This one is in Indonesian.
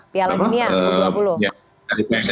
piala dunia dua ribu dua puluh